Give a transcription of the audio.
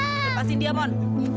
lepasin dia mon